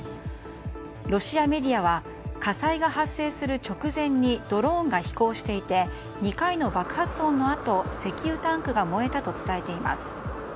ロシアメディアは火災が発生する直前にドローンが飛行していて２回の爆発音のあと石油タンクが燃えたと伝えています。